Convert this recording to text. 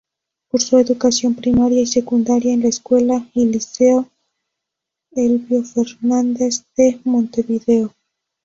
Cursó educación primaria y secundaria en la Escuela y Liceo Elbio Fernández, de Montevideo.